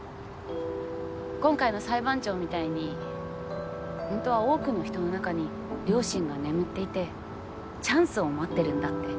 今回の裁判長みたいにほんとは多くの人の中に良心が眠っていてチャンスを待ってるんだって。